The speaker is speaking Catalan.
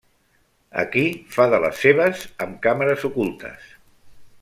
Aquí fa de les seves amb càmeres ocultes.